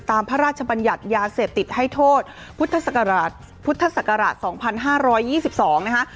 พระราชบัญญัติยาเสพติดให้โทษพุทธศักราช๒๕๒๒นะคะ